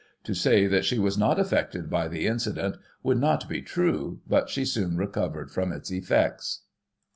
To say that she was not affected by the incident would not be true, but she soon recovered from its effects.